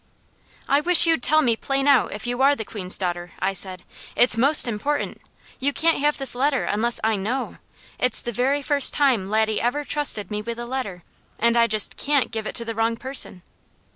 "I wish you'd tell me plain out if you are the Queen's daughter," I said. "It's most important. You can't have this letter unless I KNOW. It's the very first time Laddie ever trusted me with a letter, and I just can't give it to the wrong person."